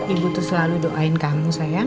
ibu tuh selalu doain kamu sayang